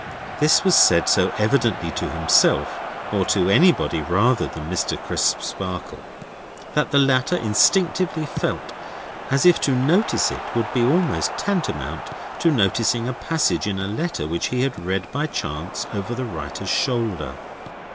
This was said so evidently to himself, or to anybody rather than Mr. Crisparkle, that the latter instinctively felt as if to notice it would be almost tantamount to noticing a passage in a letter which he had read by chance over the writer's shoulder.